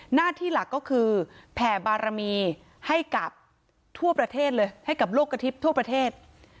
หน้าที่หลักก็คือแผ่บารมีให้กับทั่วประเทศเลยให้กับโลกกระทิบทั่วประเทศ